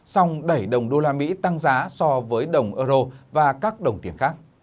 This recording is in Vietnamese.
xong đẩy đồng đô la mỹ tăng giá so với đồng euro và các đồng tiền khác